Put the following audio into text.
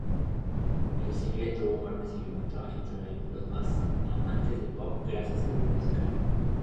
El single tuvo buen recibimiento entre los amantes del pop, gracias al video musical.